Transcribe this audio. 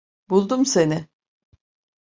Buldum seni.